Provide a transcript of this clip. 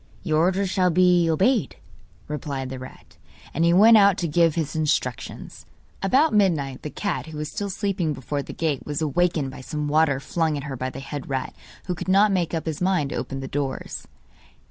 'Your orders shall be obeyed,' replied the rat. And he went out to give his instructions. About midnight the cat, who was still sleeping before the gate, was awakened by some water flung at her by the head rat, who could not make up his mind to open the doors.